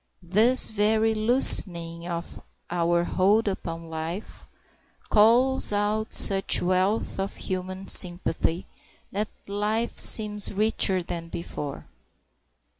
This very loosening of our hold upon life calls out such wealth of human sympathy that life seems richer than before.